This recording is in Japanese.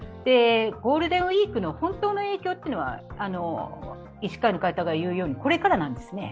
ゴールデンウイークの本当の影響は医師会の方が言うように、これからなんですね。